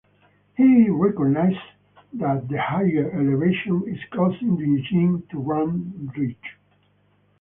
He recognizes that the higher elevation is causing the engine to run rich.